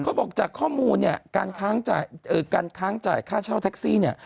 เขาบอกจากข้อมูลเนี่ยการค้างจ่ายค่าเช่าแท็กซี่เนี่ย